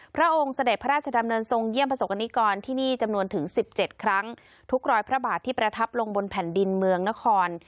พระองค์เสด็จพระราชดำเนินทรงเยี่ยมประสบกรณิกรที่นี่จำนวนถึงสิบเจ็ดครั้งทุกรอยพระบาทที่ประทับลงบนแผ่นดินเมืองนคร